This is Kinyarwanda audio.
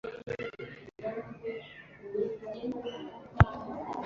Witte Paard